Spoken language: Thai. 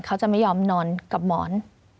เขาจะไม่ยอมนอนกับหมอน